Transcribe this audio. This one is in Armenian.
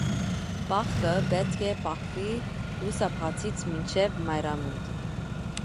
Պահքը պետք է պահվի լուսաբացից մինչև մայրամուտ։